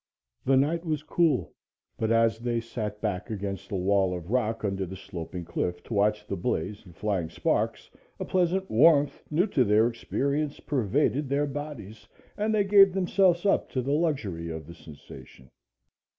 The night was cool, but as they sat back against the wall of rock under the sloping cliff to watch the blaze and flying sparks, a pleasant warmth, new to their experience, pervaded their bodies, and they gave themselves up to the luxury of the sensation.